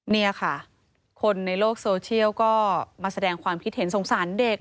นี่ค่ะคนในโลกโซเชียลก็มาแสดงความคิดเห็นสงสารเด็ก